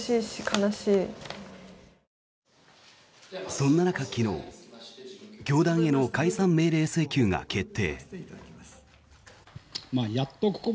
そんな中、昨日教団への解散命令請求が決定。